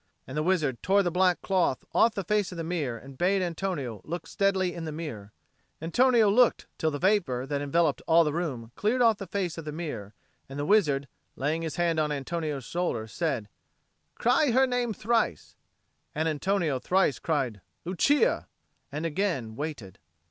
And the wizard tore the black cloth off the face of the mirror and bade Antonio look steadily in the mirror. Antonio looked till the vapour that enveloped all the room cleared off from the face of the mirror, and the wizard, laying his hand on Antonio's shoulder, said, "Cry her name thrice." And Antonio thrice cried "Lucia!" and again waited.